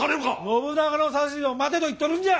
信長の指図を待てと言っとるんじゃ！